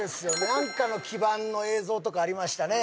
何かの基板の映像とかありましたね